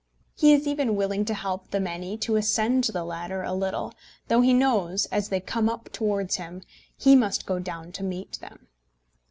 He is even willing to help the many to ascend the ladder a little, though he knows, as they come up towards him, he must go down to meet them.